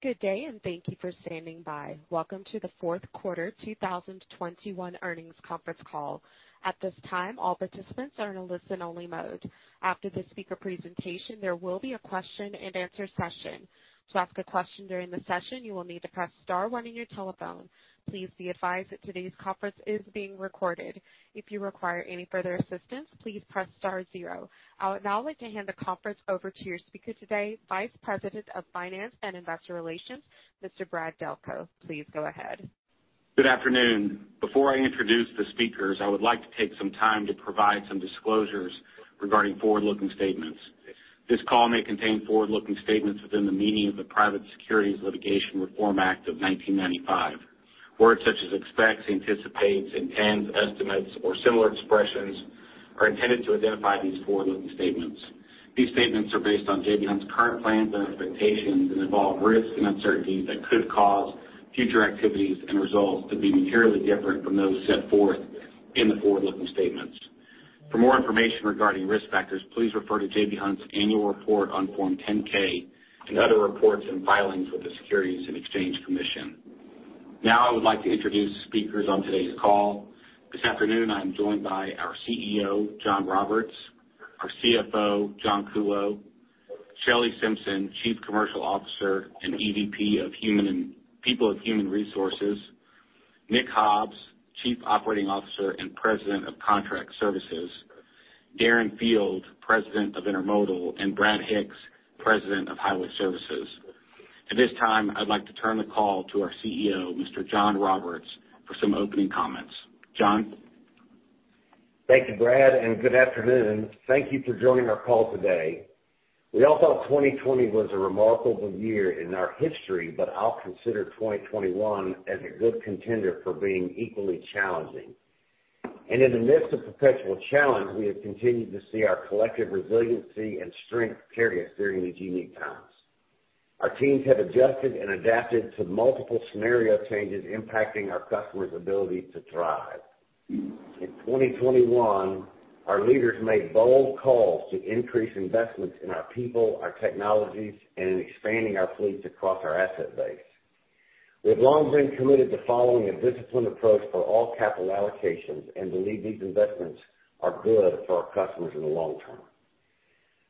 Good day, and thank you for standing by. Welcome to the fourth quarter 2021 earnings conference call. At this time, all participants are in a listen-only mode. After the speaker presentation, there will be a question and answer session. To ask a question during the session, you will need to press star one on your telephone. Please be advised that today's conference is being recorded. If you require any further assistance, please press star zero. I would now like to hand the conference over to your speaker today, Vice President of Finance and Investor Relations, Mr. Brad Delco. Please go ahead. Good afternoon. Before I introduce the speakers, I would like to take some time to provide some disclosures regarding forward-looking statements. This call may contain forward-looking statements within the meaning of the Private Securities Litigation Reform Act of 1995. Words such as expects, anticipates, intends, estimates, or similar expressions are intended to identify these forward-looking statements. These statements are based on J.B. Hunt's current plans and expectations and involve risks and uncertainties that could cause future activities and results to be materially different from those set forth in the forward-looking statements. For more information regarding risk factors, please refer to J.B. Hunt's annual report on Form 10-K and other reports and filings with the Securities and Exchange Commission. Now, I would like to introduce speakers on today's call. This afternoon, I am joined by our CEO, John Roberts, our CFO, John Kuhlow, Shelley Simpson, Chief Commercial Officer and EVP of People and Human Resources, Nick Hobbs, Chief Operating Officer and President of Contract Services, Darren Field, President of Intermodal, and Brad Hicks, President of Highway Services. At this time, I'd like to turn the call to our CEO, Mr. John Roberts, for some opening comments. John? Thank you, Brad, and good afternoon. Thank you for joining our call today. We all thought 2020 was a remarkable year in our history, but I'll consider 2021 as a good contender for being equally challenging. In the midst of perpetual challenge, we have continued to see our collective resiliency and strength carry us during these unique times. Our teams have adjusted and adapted to multiple scenario changes impacting our customers' ability to thrive. In 2021, our leaders made bold calls to increase investments in our people, our technologies, and in expanding our fleets across our asset base. We have long been committed to following a disciplined approach for all capital allocations and believe these investments are good for our customers in the long term.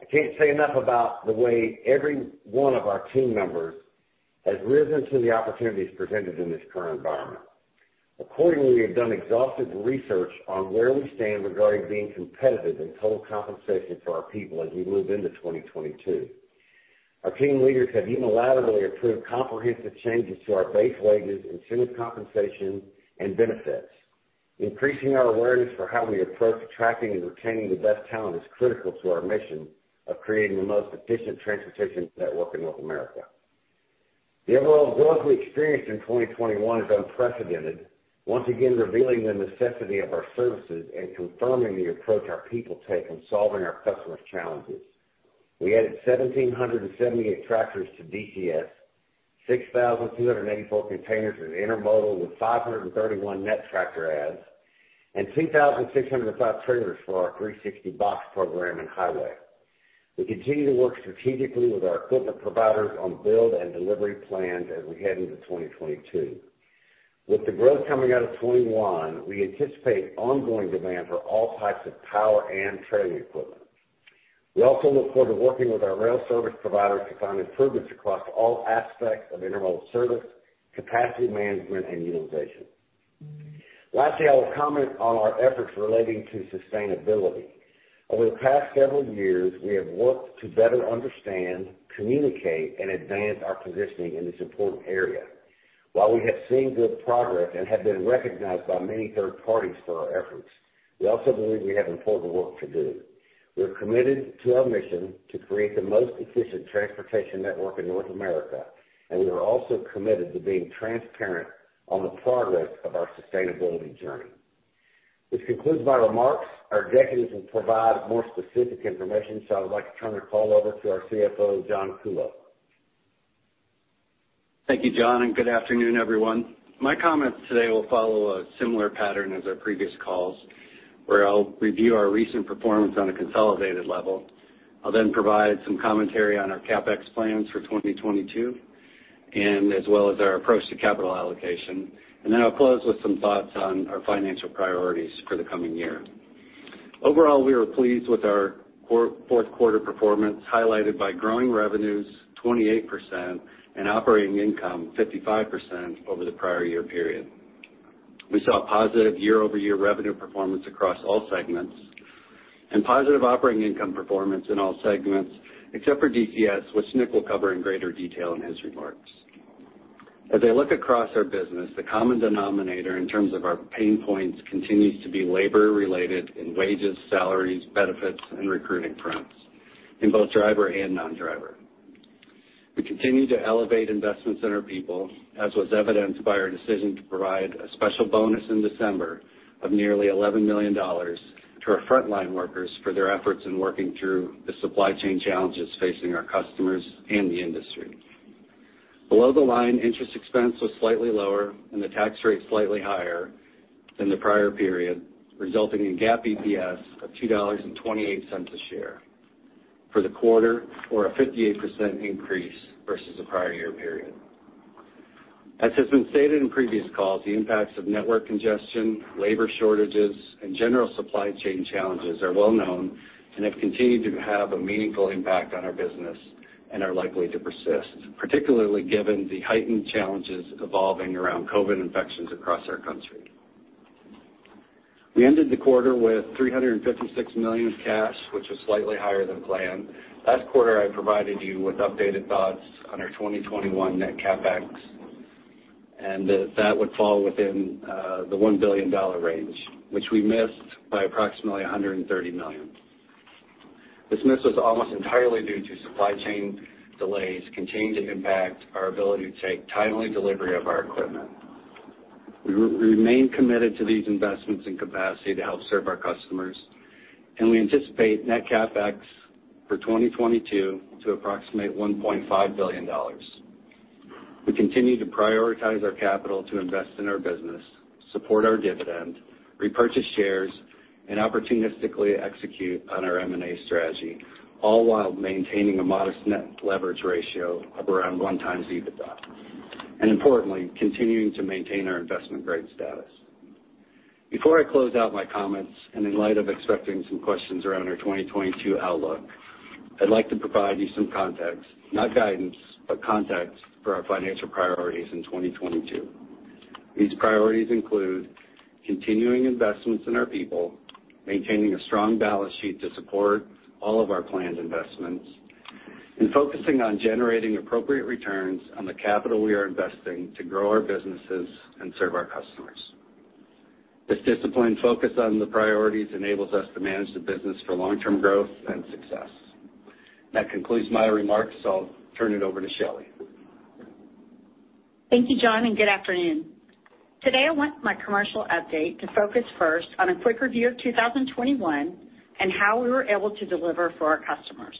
I can't say enough about the way every one of our team members has risen to the opportunities presented in this current environment. Accordingly, we have done exhaustive research on where we stand regarding being competitive in total compensation for our people as we move into 2022. Our team leaders have unilaterally approved comprehensive changes to our base wages, incentive compensation, and benefits. Increasing our awareness for how we approach attracting and retaining the best talent is critical to our mission of creating the most efficient transportation network in North America. The overall growth we experienced in 2021 is unprecedented, once again revealing the necessity of our services and confirming the approach our people take on solving our customers' challenges. We added 1,778 tractors to DCS, 6,284 containers with Intermodal, with 531 net tractor adds, and 2,605 trailers for our 360box program in highway. We continue to work strategically with our equipment providers on build and delivery plans as we head into 2022. With the growth coming out of 2021, we anticipate ongoing demand for all types of power and trailing equipment. We also look forward to working with our rail service providers to find improvements across all aspects of intermodal service, capacity management, and utilization. Lastly, I will comment on our efforts relating to sustainability. Over the past several years, we have worked to better understand, communicate, and advance our positioning in this important area. While we have seen good progress and have been recognized by many third parties for our efforts, we also believe we have important work to do. We're committed to our mission to create the most efficient transportation network in North America, and we are also committed to being transparent on the progress of our sustainability journey. This concludes my remarks. Our executives will provide more specific information, so I would like to turn the call over to our CFO, John Kuhlow. Thank you, John, and good afternoon, everyone. My comments today will follow a similar pattern as our previous calls, where I'll review our recent performance on a consolidated level. I'll then provide some commentary on our CapEx plans for 2022 and as well as our approach to capital allocation. I'll close with some thoughts on our financial priorities for the coming year. Overall, we are pleased with our fourth quarter performance, highlighted by growing revenues 28% and operating income 55% over the prior year period. We saw positive year-over-year revenue performance across all segments and positive operating income performance in all segments, except for DCS, which Nick will cover in greater detail in his remarks. As I look across our business, the common denominator in terms of our pain points continues to be labor-related in wages, salaries, benefits, and recruiting fronts in both driver and non-driver. We continue to elevate investments in our people, as was evidenced by our decision to provide a special bonus in December of nearly $11 million to our frontline workers for their efforts in working through the supply chain challenges facing our customers and the industry. Below the line, interest expense was slightly lower and the tax rate slightly higher in the prior period, resulting in GAAP EPS of $2.28 a share for the quarter or a 58% increase versus the prior year period. As has been stated in previous calls, the impacts of network congestion, labor shortages, and general supply chain challenges are well known and have continued to have a meaningful impact on our business and are likely to persist, particularly given the heightened challenges evolving around COVID infections across our country. We ended the quarter with $356 million of cash, which was slightly higher than planned. Last quarter, I provided you with updated thoughts on our 2021 net CapEx, and that would fall within the $1 billion range, which we missed by approximately $130 million. This miss was almost entirely due to supply chain delays continuing to impact our ability to take timely delivery of our equipment. We remain committed to these investments in capacity to help serve our customers, and we anticipate net CapEx for 2022 to approximate $1.5 billion. We continue to prioritize our capital to invest in our business, support our dividend, repurchase shares, and opportunistically execute on our M&A strategy, all while maintaining a modest net leverage ratio of around 1x EBITDA, and importantly, continuing to maintain our investment grade status. Before I close out my comments, and in light of expecting some questions around our 2022 outlook, I'd like to provide you some context, not guidance, but context for our financial priorities in 2022. These priorities include continuing investments in our people, maintaining a strong balance sheet to support all of our planned investments, and focusing on generating appropriate returns on the capital we are investing to grow our businesses and serve our customers. This disciplined focus on the priorities enables us to manage the business for long-term growth and success. That concludes my remarks. I'll turn it over to Shelley. Thank you, John, and good afternoon. Today I want my commercial update to focus first on a quick review of 2021 and how we were able to deliver for our customers.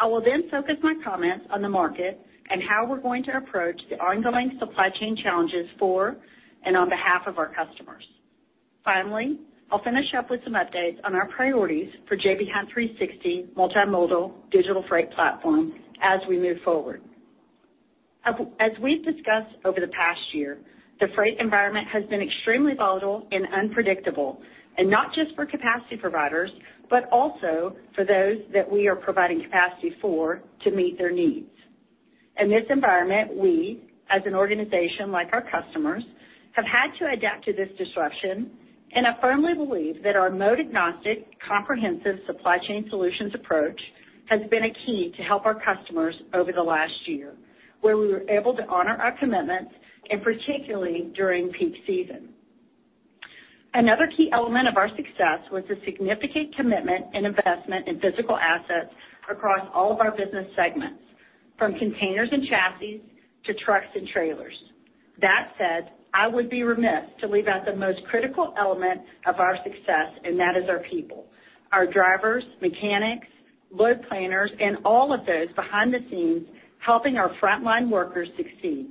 I will then focus my comments on the market and how we're going to approach the ongoing supply chain challenges for and on behalf of our customers. Finally, I'll finish up with some updates on our priorities for J.B. Hunt 360° Multimodal Digital Freight Platform as we move forward. As we've discussed over the past year, the freight environment has been extremely volatile and unpredictable, and not just for capacity providers, but also for those that we are providing capacity for to meet their needs. In this environment, we, as an organization like our customers, have had to adapt to this disruption, and I firmly believe that our mode-agnostic, comprehensive supply chain solutions approach has been a key to help our customers over the last year, where we were able to honor our commitments, and particularly during peak season. Another key element of our success was the significant commitment and investment in physical assets across all of our business segments, from containers and chassis to trucks and trailers. That said, I would be remiss to leave out the most critical element of our success, and that is our people, our drivers, mechanics, load planners, and all of those behind the scenes helping our frontline workers succeed.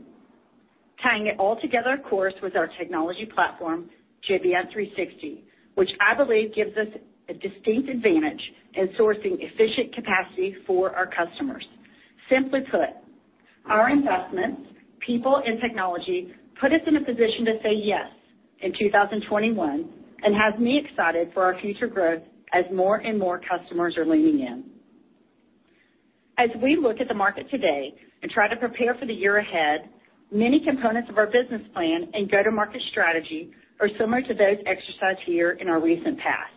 Tying it all together, of course, was our technology platform, J.B. Hunt 360°, which I believe gives us a distinct advantage in sourcing efficient capacity for our customers. Simply put, our investments, people and technology, put us in a position to say yes in 2021 and has me excited for our future growth as more and more customers are leaning in. As we look at the market today and try to prepare for the year ahead, many components of our business plan and go-to-market strategy are similar to those exercised here in our recent past.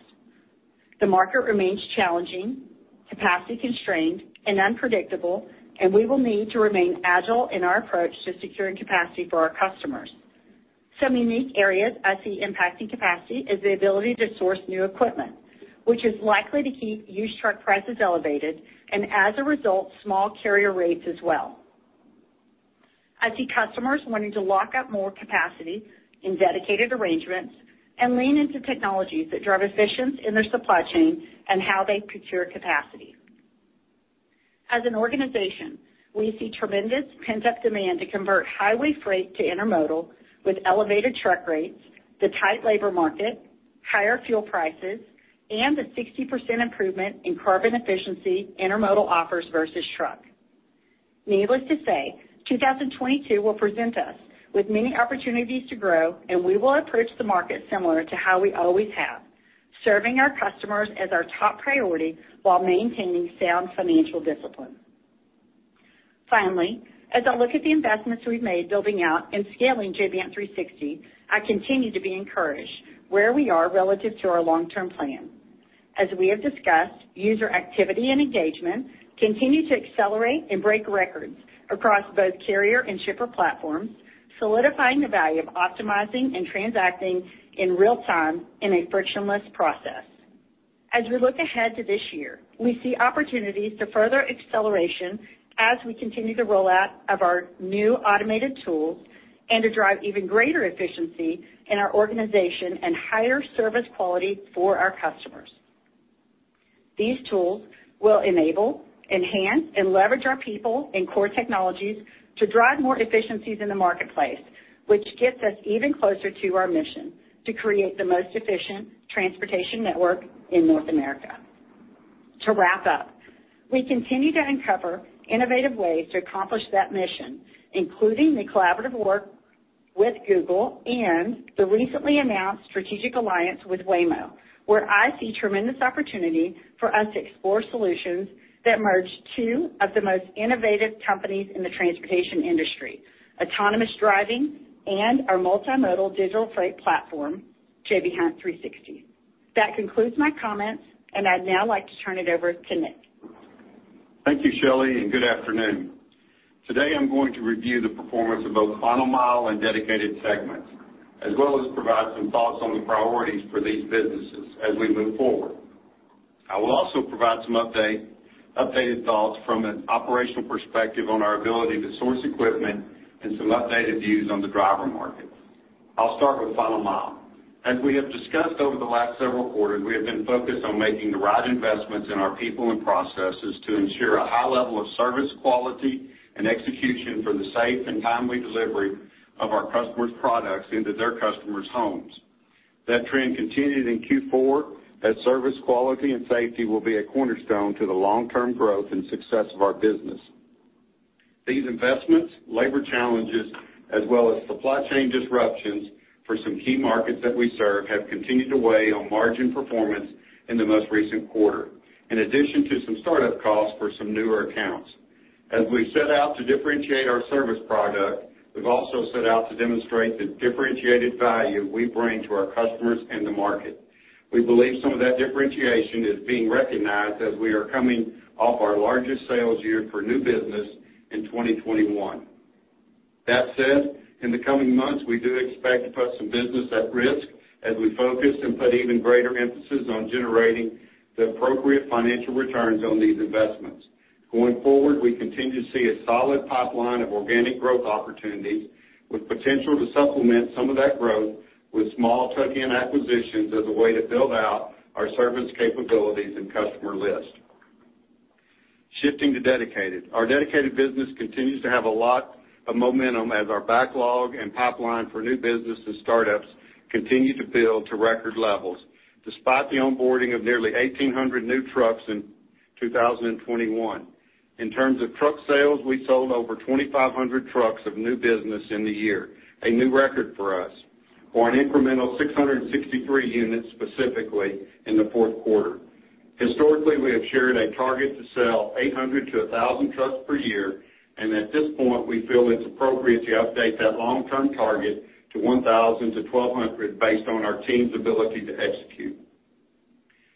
The market remains challenging, capacity-constrained, and unpredictable, and we will need to remain agile in our approach to securing capacity for our customers. Some unique areas I see impacting capacity is the ability to source new equipment, which is likely to keep used truck prices elevated, and as a result, small carrier rates as well. I see customers wanting to lock up more capacity in Dedicated arrangements and lean into technologies that drive efficiency in their supply chain and how they procure capacity. As an organization, we see tremendous pent-up demand to convert highway freight to intermodal with elevated truck rates, the tight labor market, higher fuel prices, and the 60% improvement in carbon efficiency intermodal offers versus truck. Needless to say, 2022 will present us with many opportunities to grow, and we will approach the market similar to how we always have, serving our customers as our top priority while maintaining sound financial discipline. Finally, as I look at the investments we've made building out and scaling J.B. Hunt 360°, I continue to be encouraged where we are relative to our long-term plan. As we have discussed, user activity and engagement continue to accelerate and break records across both carrier and shipper platforms, solidifying the value of optimizing and transacting in real time in a frictionless process. As we look ahead to this year, we see opportunities to further acceleration as we continue the rollout of our new automated tools and to drive even greater efficiency in our organization and higher service quality for our customers. These tools will enable, enhance and leverage our people and core technologies to drive more efficiencies in the marketplace, which gets us even closer to our mission to create the most efficient transportation network in North America. To wrap up, we continue to uncover innovative ways to accomplish that mission, including the collaborative work with Google and the recently announced strategic alliance with Waymo, where I see tremendous opportunity for us to explore solutions that merge two of the most innovative companies in the transportation industry, autonomous driving and our multimodal digital freight platform, J.B. Hunt 360°. That concludes my comments, and I'd now like to turn it over to Nick. Thank you, Shelley, and good afternoon. Today, I'm going to review the performance of both Final Mile and Dedicated segments, as well as provide some thoughts on the priorities for these businesses as we move forward. I will also provide some update, updated thoughts from an operational perspective on our ability to source equipment and some updated views on the driver market. I'll start with Final Mile. As we have discussed over the last several quarters, we have been focused on making the right investments in our people and processes to ensure a high level of service, quality, and execution for the safe and timely delivery of our customers' products into their customers' homes. That trend continued in Q4, as service, quality, and safety will be a cornerstone to the long-term growth and success of our business. These investments, labor challenges, as well as supply chain disruptions for some key markets that we serve, have continued to weigh on margin performance in the most recent quarter, in addition to some startup costs for some newer accounts. As we set out to differentiate our service product, we've also set out to demonstrate the differentiated value we bring to our customers and the market. We believe some of that differentiation is being recognized as we are coming off our largest sales year for new business in 2021. That said, in the coming months, we do expect to put some business at risk as we focus and put even greater emphasis on generating the appropriate financial returns on these investments. Going forward, we continue to see a solid pipeline of organic growth opportunities, with potential to supplement some of that growth with small tuck-in acquisitions as a way to build out our service capabilities and customer list. Shifting to Dedicated. Our Dedicated business continues to have a lot of momentum as our backlog and pipeline for new business and startups continue to build to record levels, despite the onboarding of nearly 1,800 new trucks in 2021. In terms of truck sales, we sold over 2,500 trucks of new business in the year, a new record for us, or an incremental 663 units specifically in the fourth quarter. Historically, we have shared a target to sell 800-1,000 trucks per year, and at this point, we feel it's appropriate to update that long-term target to 1,000-1,200 based on our team's ability to execute.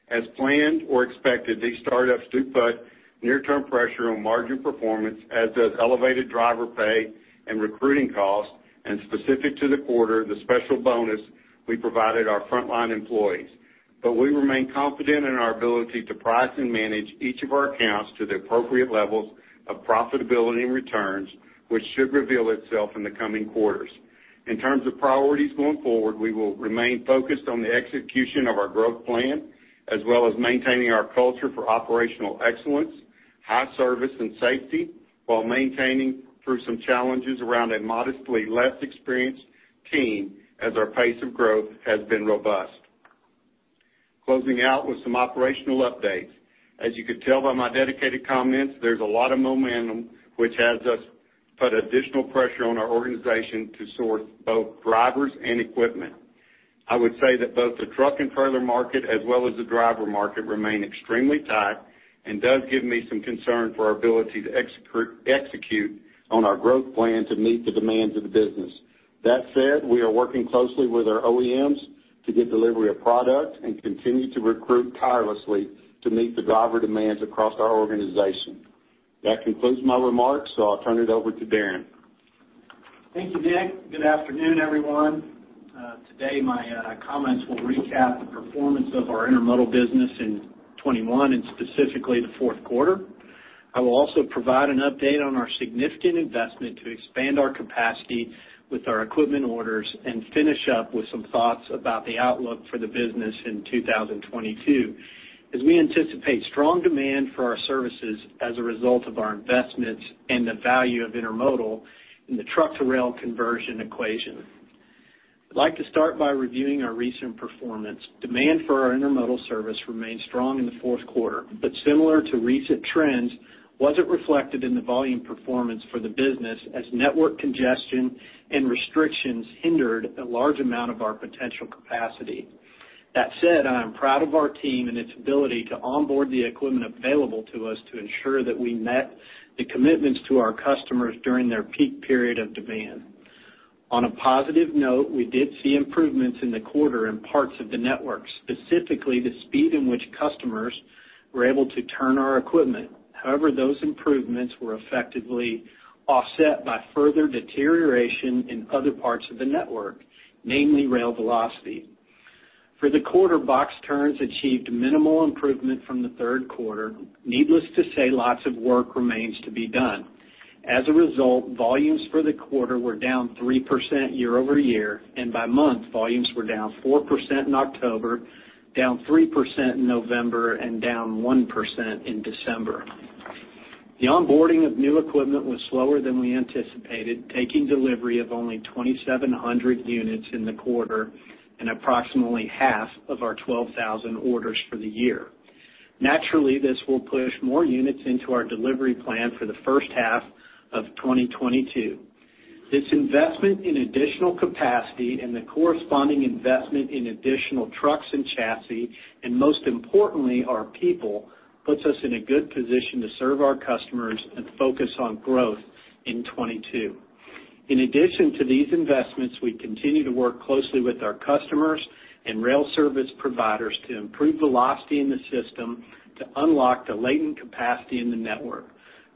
As planned or expected, these startups do put near-term pressure on margin performance, as does elevated driver pay and recruiting costs, and specific to the quarter, the special bonus we provided our frontline employees. We remain confident in our ability to price and manage each of our accounts to the appropriate levels of profitability and returns, which should reveal itself in the coming quarters. In terms of priorities going forward, we will remain focused on the execution of our growth plan, as well as maintaining our culture for operational excellence, high service and safety, while maintaining through some challenges around a modestly less experienced team as our pace of growth has been robust. Closing out with some operational updates. As you could tell by my Dedicated comments, there's a lot of momentum, which has us put additional pressure on our organization to source both drivers and equipment. I would say that both the truck and trailer market as well as the driver market remain extremely tight and does give me some concern for our ability to execute on our growth plan to meet the demands of the business. That said, we are working closely with our OEMs to get delivery of product and continue to recruit tirelessly to meet the driver demands across our organization. That concludes my remarks. I'll turn it over to Darren. Thank you, Nick. Good afternoon, everyone. Today, my comments will recap the performance of our Intermodal business in 2021 and specifically the fourth quarter. I will also provide an update on our significant investment to expand our capacity with our equipment orders and finish up with some thoughts about the outlook for the business in 2022, as we anticipate strong demand for our services as a result of our investments and the value of Intermodal in the truck-to-rail conversion equation. I'd like to start by reviewing our recent performance. Demand for our intermodal service remained strong in the fourth quarter, but similar to recent trends, wasn't reflected in the volume performance for the business as network congestion and restrictions hindered a large amount of our potential capacity. That said, I am proud of our team and its ability to onboard the equipment available to us to ensure that we met the commitments to our customers during their peak period of demand. On a positive note, we did see improvements in the quarter in parts of the network, specifically the speed in which customers were able to turn our equipment. However, those improvements were effectively offset by further deterioration in other parts of the network, namely rail velocity. For the quarter, box turns achieved minimal improvement from the third quarter. Needless to say, lots of work remains to be done. As a result, volumes for the quarter were down 3% year-over-year, and by month, volumes were down 4% in October, down 3% in November, and down 1% in December. The onboarding of new equipment was slower than we anticipated, taking delivery of only 2,700 units in the quarter and approximately half of our 12,000 orders for the year. Naturally, this will push more units into our delivery plan for the first half of 2022. This investment in additional capacity and the corresponding investment in additional trucks and chassis, and most importantly, our people, puts us in a good position to serve our customers and focus on growth in 2022. In addition to these investments, we continue to work closely with our customers and rail service providers to improve velocity in the system to unlock the latent capacity in the network.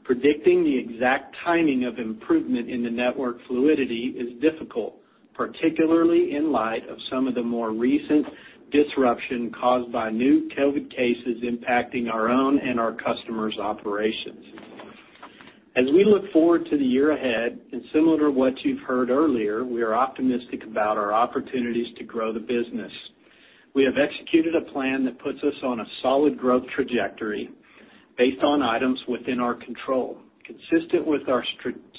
Predicting the exact timing of improvement in the network fluidity is difficult, particularly in light of some of the more recent disruption caused by new COVID cases impacting our own and our customers' operations. As we look forward to the year ahead, and similar to what you've heard earlier, we are optimistic about our opportunities to grow the business. We have executed a plan that puts us on a solid growth trajectory based on items within our control. Consistent with our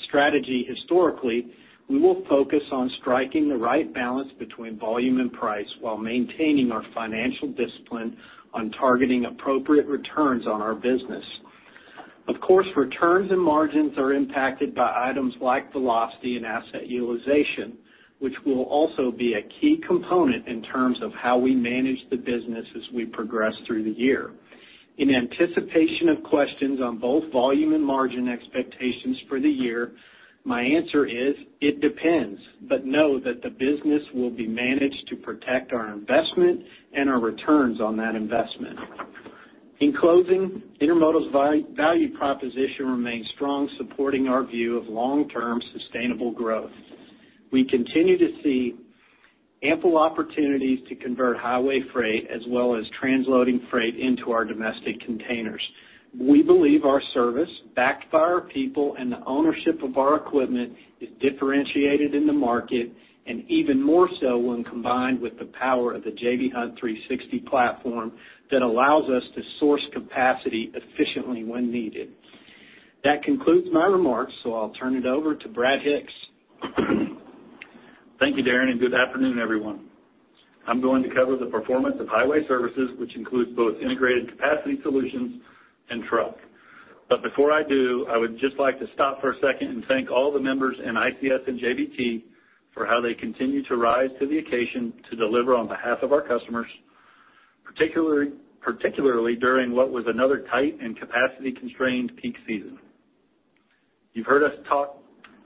strategy historically, we will focus on striking the right balance between volume and price while maintaining our financial discipline on targeting appropriate returns on our business. Of course, returns and margins are impacted by items like velocity and asset utilization, which will also be a key component in terms of how we manage the business as we progress through the year. In anticipation of questions on both volume and margin expectations for the year, my answer is it depends, but know that the business will be managed to protect our investment and our returns on that investment. In closing, Intermodal's value proposition remains strong, supporting our view of long-term sustainable growth. We continue to see ample opportunities to convert highway freight as well as transloading freight into our domestic containers. We believe our service, backed by our people and the ownership of our equipment, is differentiated in the market and even more so when combined with the power of the J.B. Hunt 360° platform that allows us to source capacity efficiently when needed. That concludes my remarks, so I'll turn it over to Brad Hicks. Thank you, Darren, and good afternoon, everyone. I'm going to cover the performance of Highway Services, which includes both Integrated Capacity Solutions and truck. Before I do, I would just like to stop for a second and thank all the members in ICS and JBT for how they continue to rise to the occasion to deliver on behalf of our customers, particularly during what was another tight and capacity-constrained peak season. You've heard us talk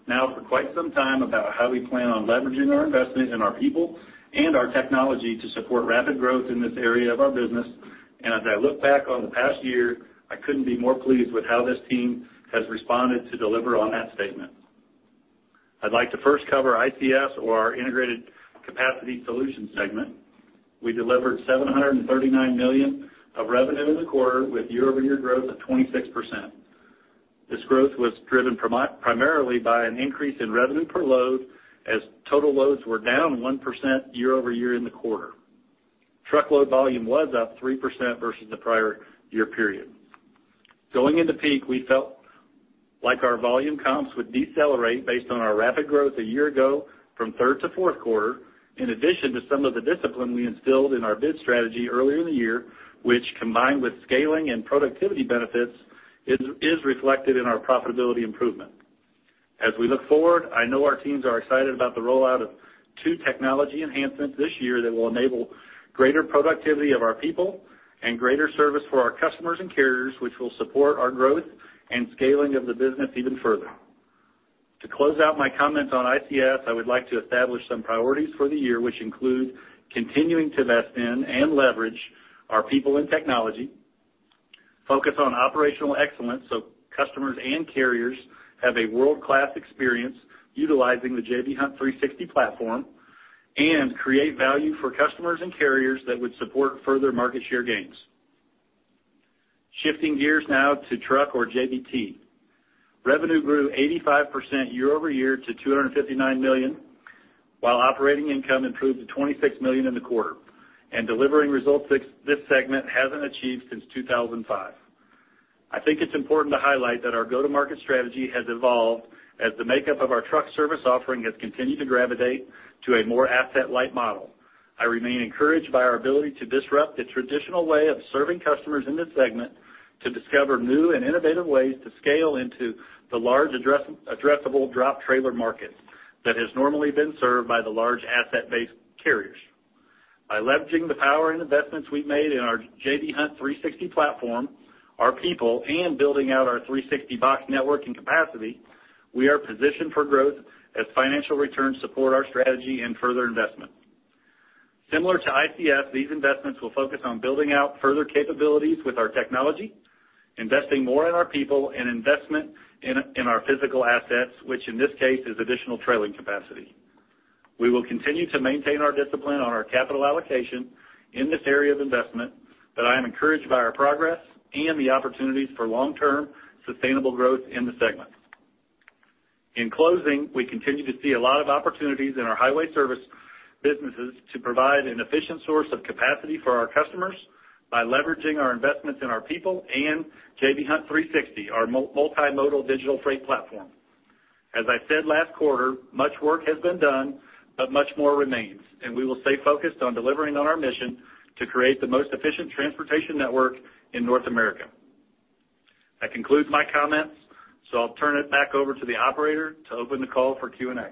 now for quite some time about how we plan on leveraging our investment in our people and our technology to support rapid growth in this area of our business. As I look back on the past year, I couldn't be more pleased with how this team has responded to deliver on that statement. I'd like to first cover ICS or our Integrated Capacity Solutions segment. We delivered $739 million of revenue in the quarter with year-over-year growth of 26%. This growth was driven primarily by an increase in revenue per load as total loads were down 1% year over year in the quarter. Truckload volume was up 3% versus the prior year period. Going into peak, we felt like our volume comps would decelerate based on our rapid growth a year ago from third to fourth quarter, in addition to some of the discipline we instilled in our bid strategy earlier in the year, which, combined with scaling and productivity benefits, is reflected in our profitability improvement. As we look forward, I know our teams are excited about the rollout of two technology enhancements this year that will enable greater productivity of our people and greater service for our customers and carriers, which will support our growth and scaling of the business even further. To close out my comments on ICS, I would like to establish some priorities for the year, which include continuing to invest in and leverage our people and technology, focus on operational excellence so customers and carriers have a world-class experience utilizing the J.B. Hunt 360° platform, and create value for customers and carriers that would support further market share gains. Shifting gears now to truck or JBT. Revenue grew 85% year-over-year to $259 million, while operating income improved to $26 million in the quarter and delivering results this segment hasn't achieved since 2005. I think it's important to highlight that our go-to-market strategy has evolved as the makeup of our truck service offering has continued to gravitate to a more asset-light model. I remain encouraged by our ability to disrupt the traditional way of serving customers in this segment to discover new and innovative ways to scale into the large addressable drop trailer market that has normally been served by the large asset-based carriers. By leveraging the power and investments we've made in our J.B. Hunt 360° platform, our people, and building out our 360box networking capacity, we are positioned for growth as financial returns support our strategy and further investment. Similar to ICS, these investments will focus on building out further capabilities with our technology, investing more in our people, and investment in our physical assets, which in this case is additional trailer capacity. We will continue to maintain our discipline on our capital allocation in this area of investment, but I am encouraged by our progress and the opportunities for long-term sustainable growth in the segment. In closing, we continue to see a lot of opportunities in our highway service businesses to provide an efficient source of capacity for our customers by leveraging our investments in our people and J.B. Hunt 360°, our multimodal digital freight platform. As I said last quarter, much work has been done, but much more remains, and we will stay focused on delivering on our mission to create the most efficient transportation network in North America. That concludes my comments, so I'll turn it back over to the operator to open the call for Q&A.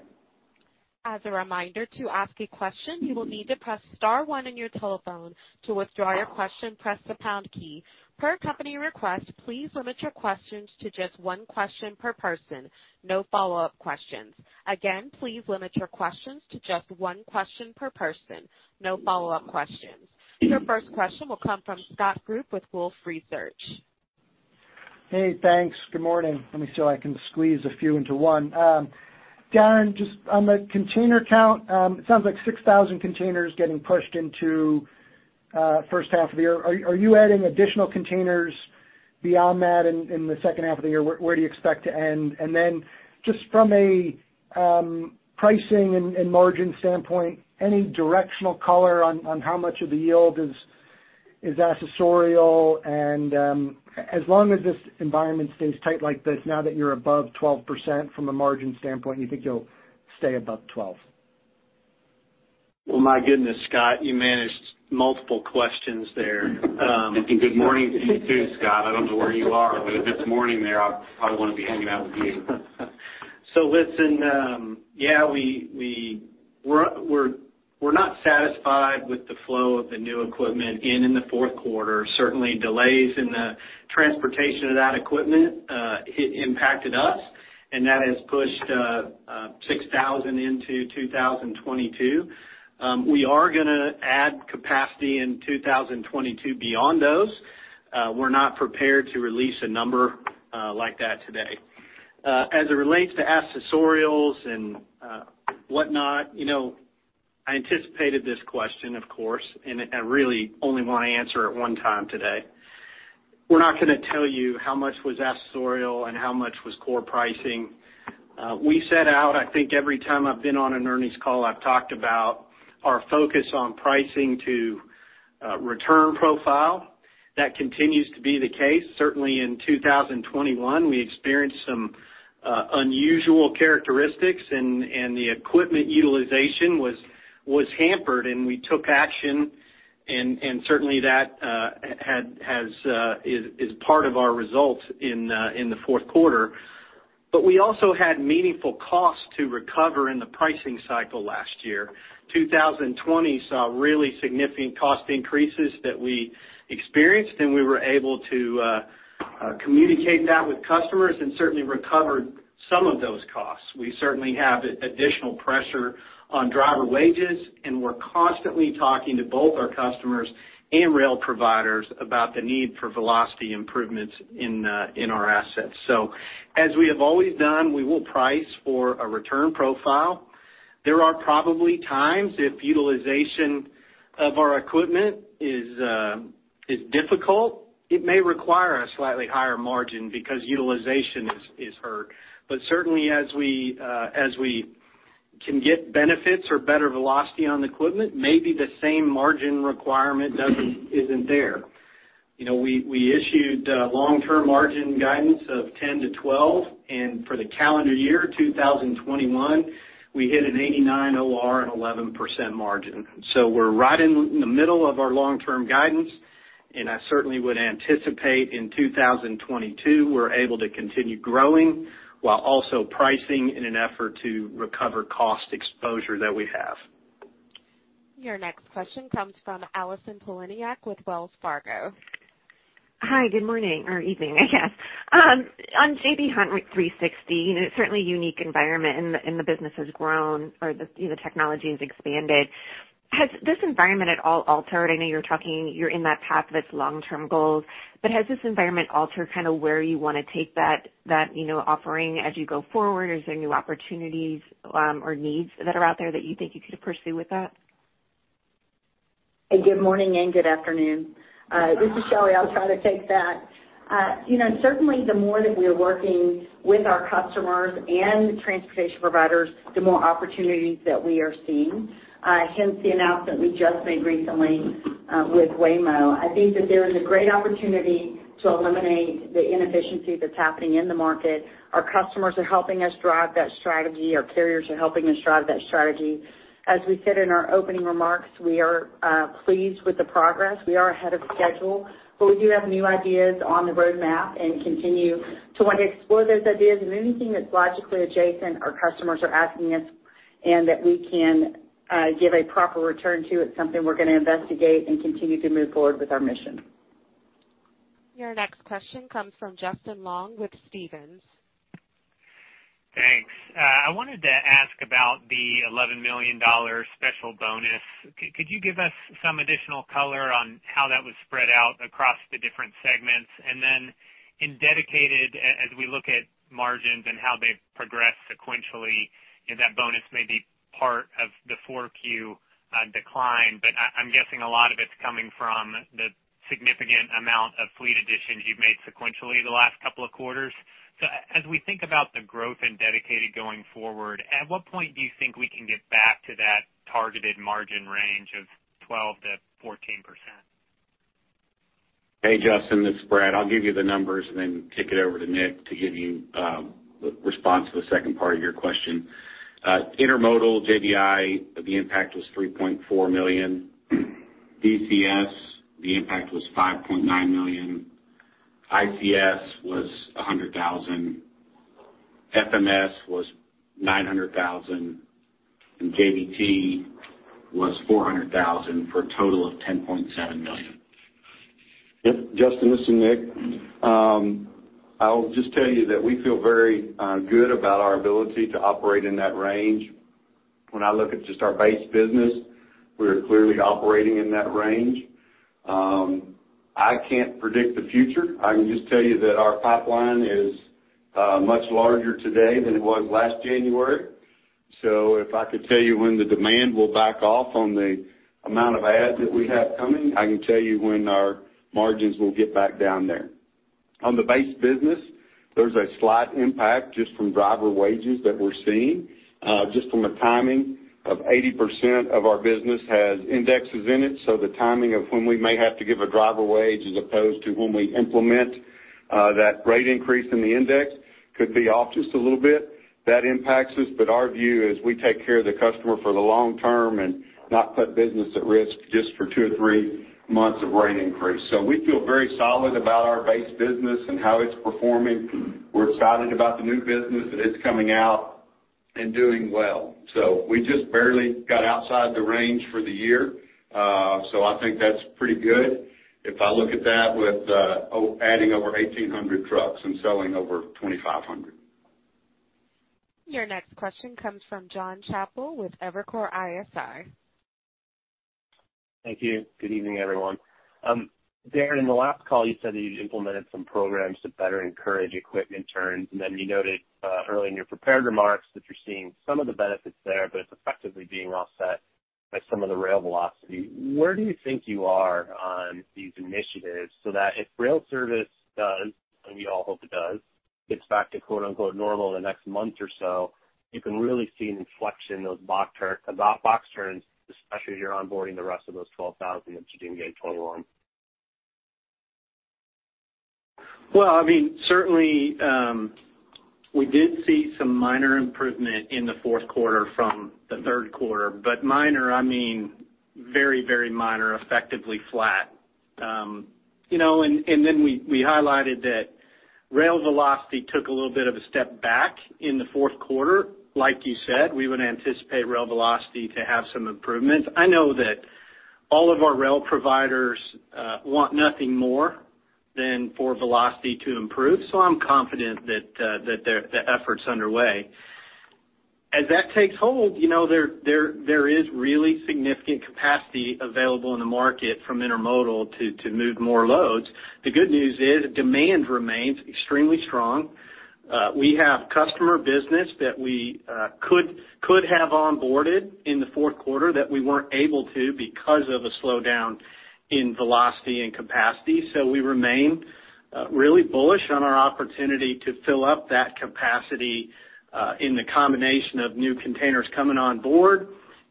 As a reminder, to ask a question, you will need to press star one on your telephone. To withdraw your question, press the pound key. Per company request, please limit your questions to just one question per person. No follow-up questions. Again, please limit your questions to just one question per person. No follow-up questions. Your first question will come from Scott Group with Wolfe Research. Hey, thanks. Good morning. Let me see if I can squeeze a few into one. Darren, just on the container count, it sounds like 6,000 containers getting pushed into first half of the year. Are you adding additional containers beyond that in the second half of the year? Where do you expect to end? And then just from a pricing and margin standpoint, any directional color on how much of the yield is accessorial. And as long as this environment stays tight like this, now that you're above 12% from a margin standpoint, you think you'll stay above 12%? Well, my goodness, Scott, you managed multiple questions there. Good morning to you too, Scott. I don't know where you are, but if it's morning there, I'd probably wanna be hanging out with you. Listen, yeah, we're not satisfied with the flow of the new equipment in the fourth quarter. Certainly delays in the transportation of that equipment impacted us, and that has pushed 6,000 into 2022. We are gonna add capacity in 2022 beyond those. We're not prepared to release a number like that today. As it relates to accessorials and whatnot, you know, I anticipated this question, of course, and I really only want to answer it one time today. We're not gonna tell you how much was accessorial and how much was core pricing. We set out, I think every time I've been on an earnings call, I've talked about our focus on pricing to return profile. That continues to be the case. Certainly in 2021, we experienced some unusual characteristics and the equipment utilization was hampered, and we took action. Certainly that is part of our results in the fourth quarter. We also had meaningful costs to recover in the pricing cycle last year. 2020 saw really significant cost increases that we experienced, and we were able to communicate that with customers and certainly recovered some of those costs. We certainly have additional pressure on driver wages, and we're constantly talking to both our customers and rail providers about the need for velocity improvements in our assets. As we have always done, we will price for a return profile. There are probably times if utilization of our equipment is difficult, it may require a slightly higher margin because utilization is hurt. Certainly as we can get benefits or better velocity on equipment, maybe the same margin requirement isn't there. You know, we issued long-term margin guidance of 10%-12%, and for the calendar year 2021, we hit an 89% OR and 11% margin. We're right in the middle of our long-term guidance, and I certainly would anticipate in 2022, we're able to continue growing while also pricing in an effort to recover cost exposure that we have. Your next question comes from Allison Poliniak with Wells Fargo. Hi, good morning or evening, I guess. On J.B. Hunt 360°, and it's certainly a unique environment and the business has grown, you know, technology has expanded. Has this environment at all altered? I know you're talking, you're in that path of its long-term goals, but has this environment altered kind of where you wanna take that, you know, offering as you go forward? Is there new opportunities or needs that are out there that you think you could pursue with that? Hey, good morning and good afternoon. This is Shelley. I'll try to take that. You know, certainly the more that we are working with our customers and transportation providers, the more opportunities that we are seeing, hence the announcement we just made recently with Waymo. I think that there is a great opportunity to eliminate the inefficiency that's happening in the market. Our customers are helping us drive that strategy. Our carriers are helping us drive that strategy. As we said in our opening remarks, we are pleased with the progress. We are ahead of schedule, but we do have new ideas on the roadmap and continue to want to explore those ideas. Anything that's logically adjacent, our customers are asking us and that we can give a proper return to, it's something we're gonna investigate and continue to move forward with our mission. Your next question comes from Justin Long with Stephens. I wanted to ask about the $11 million special bonus. Could you give us some additional color on how that was spread out across the different segments? In Dedicated, as we look at margins and how they've progressed sequentially, and that bonus may be part of the Q4 decline, but I'm guessing a lot of it's coming from the significant amount of fleet additions you've made sequentially the last couple of quarters. As we think about the growth in Dedicated going forward, at what point do you think we can get back to that targeted margin range of 12%-14%? Hey, Justin, this is Brad. I'll give you the numbers and then kick it over to Nick to give you the response to the second part of your question. Intermodal JBI, the impact was $3.4 million. DCS, the impact was $5.9 million. ICS was $100,000. FMS was $900,000. JBT was $400,000 for a total of $10.7 million. Yep. Justin, this is Nick. I will just tell you that we feel very good about our ability to operate in that range. When I look at just our base business, we're clearly operating in that range. I can't predict the future. I can just tell you that our pipeline is much larger today than it was last January. If I could tell you when the demand will back off on the amount of adds that we have coming, I can tell you when our margins will get back down there. On the base business, there's a slight impact just from driver wages that we're seeing just from a timing of 80% of our business has indexes in it. The timing of when we may have to give a driver wage as opposed to when we implement that rate increase in the index could be off just a little bit. That impacts us, but our view is we take care of the customer for the long term and not put business at risk just for two or three months of rate increase. We feel very solid about our base business and how it's performing. We're excited about the new business, and it's coming out and doing well. We just barely got outside the range for the year, so I think that's pretty good. If I look at that with adding over 1,800 trucks and selling over 2,500. Your next question comes from Jon Chappell with Evercore ISI. Thank you. Good evening, everyone. Darren, in the last call, you said that you implemented some programs to better encourage equipment turns, and then you noted early in your prepared remarks that you're seeing some of the benefits there, but it's effectively being offset by some of the rail velocity. Where do you think you are on these initiatives so that if rail service does, and we all hope it does, get back to quote-unquote normal in the next month or so, you can really see an inflection in those box turns, especially as you're onboarding the rest of those 12,000 that you didn't get in 2021. Well, I mean, certainly, we did see some minor improvement in the fourth quarter from the third quarter, but minor, I mean, very, very minor, effectively flat. You know, and then we highlighted that rail velocity took a little bit of a step back in the fourth quarter. Like you said, we would anticipate rail velocity to have some improvements. I know that all of our rail providers want nothing more than for velocity to improve, so I'm confident that the effort's underway. As that takes hold, you know, there is really significant capacity available in the market from Intermodal to move more loads. The good news is demand remains extremely strong. We have customer business that we could have onboarded in the fourth quarter that we weren't able to because of a slowdown in velocity and capacity. We remain really bullish on our opportunity to fill up that capacity in the combination of new containers coming on board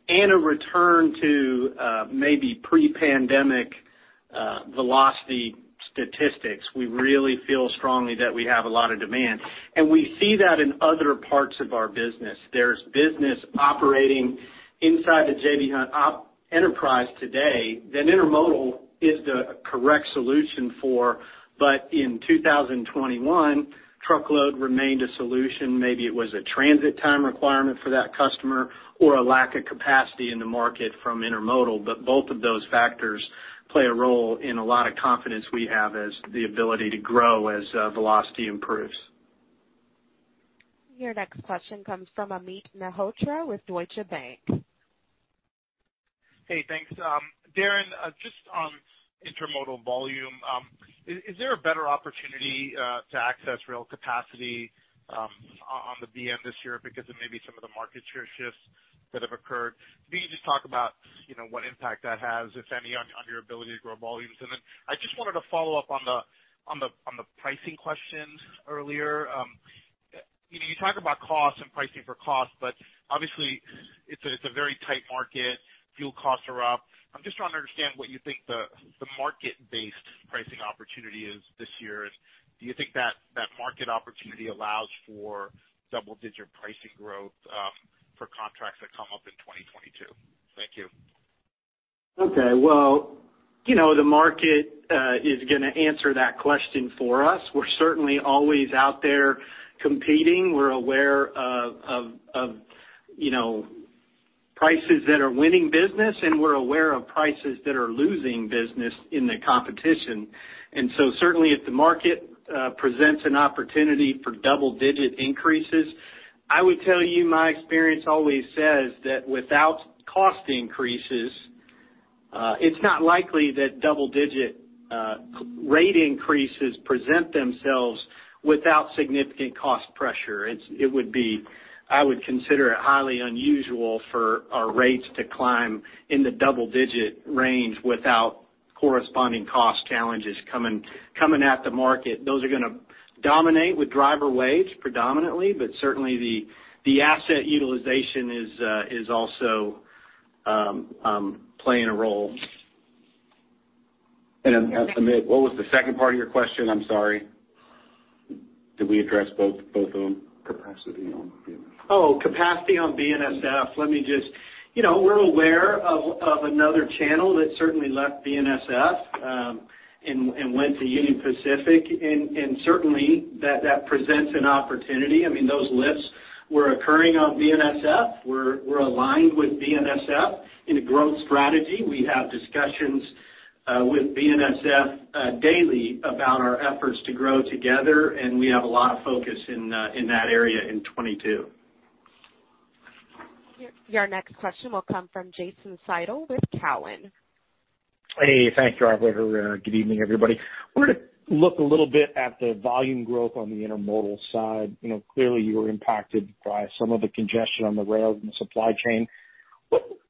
and a return to maybe pre-pandemic velocity statistics. We really feel strongly that we have a lot of demand. We see that in other parts of our business. There's business operating inside the J.B. Hunt enterprise today that Intermodal is the correct solution for, but in 2021, Truckload remained a solution. Maybe it was a transit time requirement for that customer or a lack of capacity in the market from Intermodal, but both of those factors play a role in a lot of confidence we have as the ability to grow as velocity improves. Your next question comes from Amit Mehrotra with Deutsche Bank. Hey, thanks. Darren, just on Intermodal volume, is there a better opportunity to access rail capacity on the BN this year because of maybe some of the market share shifts that have occurred? Maybe you just talk about, you know, what impact that has, if any, on your ability to grow volumes. Then I just wanted to follow up on the pricing questions earlier. You know, you talk about cost and pricing for cost, but obviously it's a very tight market. Fuel costs are up. I'm just trying to understand what you think the market-based pricing opportunity is this year. Do you think that market opportunity allows for double-digit pricing growth for contracts that come up in 2022? Thank you. Okay. Well, you know, the market is gonna answer that question for us. We're certainly always out there competing. We're aware of prices that are winning business, and we're aware of prices that are losing business in the competition. Certainly if the market presents an opportunity for double-digit increases, I would tell you my experience always says that without cost increases, it's not likely that double-digit rate increases present themselves without significant cost pressure. It would be, I would consider it highly unusual for our rates to climb in the double digit range without corresponding cost challenges coming at the market. Those are gonna dominate with driver wage predominantly, but certainly the asset utilization is also playing a role. What was the second part of your question? I'm sorry. Did we address both of them? Capacity on BNSF. Oh, capacity on BNSF. Let me just. You know, we're aware of another channel that certainly left BNSF, and went to Union Pacific, and certainly that presents an opportunity. I mean, those lifts were occurring on BNSF. We're aligned with BNSF in a growth strategy. We have discussions with BNSF daily about our efforts to grow together, and we have a lot of focus in that area in 2022. Your next question will come from Jason Seidl with Cowen. Hey, thanks, Operator. Good evening, everybody. We're gonna look a little bit at the volume growth on the Intermodal side. You know, clearly you were impacted by some of the congestion on the rail and the supply chain.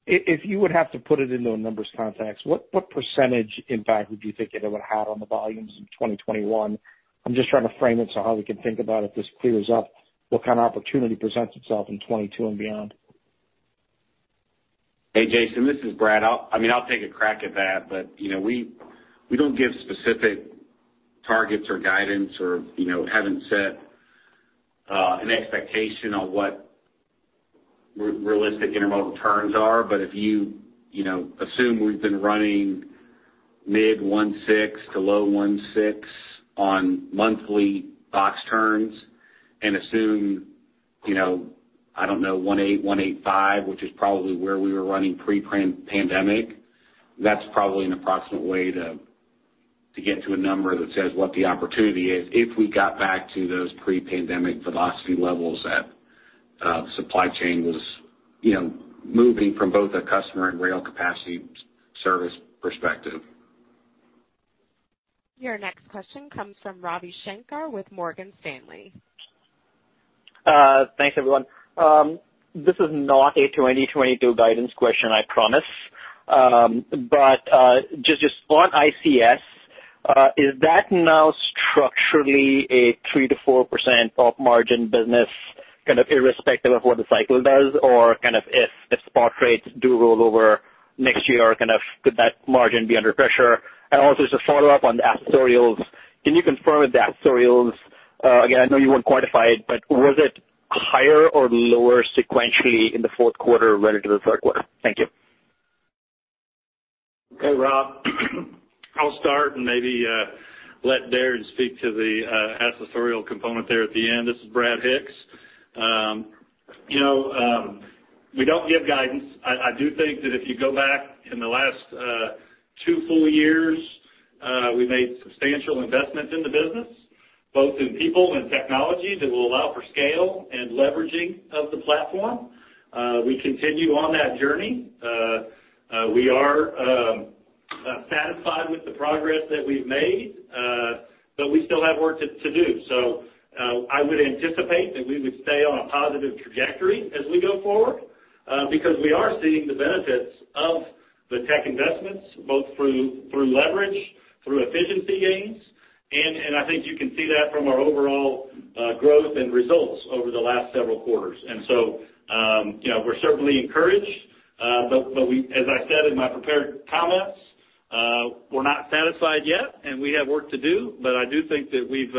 If you would have to put it into a numbers context, what percentage impact would you think it would have on the volumes in 2021? I'm just trying to frame it so how we can think about if this clears up, what kind of opportunity presents itself in 2022 and beyond. Hey, Jason, this is Brad. I mean, I'll take a crack at that. You know, we don't give specific targets or guidance or, you know, haven't set an expectation on what realistic Intermodal turns are. If you know, assume we've been running mid-1.6 to low-1.6 on monthly box turns and assume, you know, I don't know, 1.8, 1.85, which is probably where we were running pre-pandemic, that's probably an approximate way to get to a number that says what the opportunity is if we got back to those pre-pandemic velocity levels at which the supply chain was, you know, moving from both a customer and rail capacity service perspective. Your next question comes from Ravi Shanker with Morgan Stanley. Thanks, everyone. This is not a 2022 guidance question, I promise. Just on ICS, is that now structurally a 3%-4% EBITDA margin business kind of irrespective of what the cycle does? Or kind of if the spot rates do roll over next year, kind of could that margin be under pressure? Also, just a follow-up on the accessorials. Can you confirm if the accessorials, again, I know you won't quantify it, but was it higher or lower sequentially in the fourth quarter relative to the third quarter? Thank you. Hey, Rav. I'll start and maybe let Darren speak to the accessorial component there at the end. This is Brad Hicks. You know, we don't give guidance. I do think that if you go back in the last two full years, we made substantial investments in the business, both in people and technology that will allow for scale and leveraging of the platform. We continue on that journey. We are satisfied with the progress that we've made, but we still have work to do. I would anticipate that we would stay on a positive trajectory as we go forward, because we are seeing the benefits of the tech investments, both through leverage, through efficiency gains. I think you can see that from our overall growth and results over the last several quarters. You know, we're certainly encouraged. But as I said in my prepared comments, we're not satisfied yet, and we have work to do, but I do think that we've